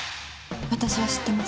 私は知ってます。